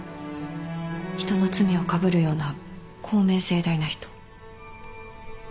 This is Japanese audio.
人の罪をかぶるような公明正大な人。